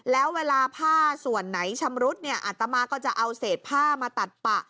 แล้วเวลาผ้าส่วนไหนชำรุดเนี่ยอัตมาก็จะเอาเศษผ้ามาตัดปะ